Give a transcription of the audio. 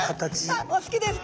あお好きですか。